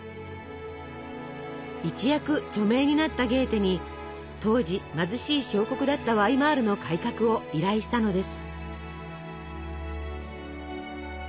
一躍著名になったゲーテに当時貧しい小国だったワイマールの改革を依頼したのです。